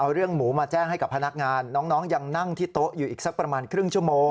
เอาเรื่องหมูมาแจ้งให้กับพนักงานน้องยังนั่งที่โต๊ะอยู่อีกสักประมาณครึ่งชั่วโมง